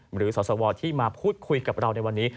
หรือสสวที่มาพูดคุยกับเราในวันนี้